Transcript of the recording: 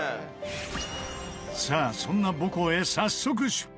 さあそんな母校へ早速出発！